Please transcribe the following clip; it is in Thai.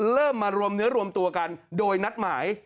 เริ่มมารวมเนื้อรวมตัวกันโดยนัดหมาย